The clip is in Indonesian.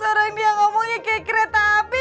sering dia ngomongnya kayak kereta api